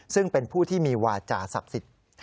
ซึ่งเป็นผู้ที่มีวาจาศักดิ์สิทธิ์